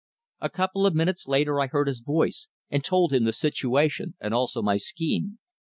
A couple of minutes later I heard his voice, and told him the situation, and also my scheme.